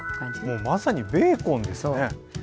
もうまさにベーコンですね。